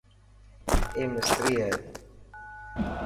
اي مستري هي.